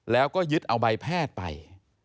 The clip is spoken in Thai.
แล้วก็ยึดเอาใบแพทย์ไป